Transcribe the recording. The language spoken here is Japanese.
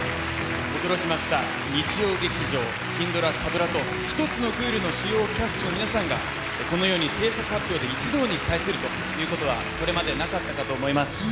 驚きました日曜劇場金ドラ火ドラと１つのクールの主要キャストの皆さんがこのように制作発表で一堂に会せるということはこれまでなかったかと思います